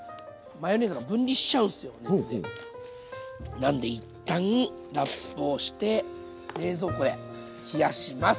なんで一旦ラップをして冷蔵庫で冷やします。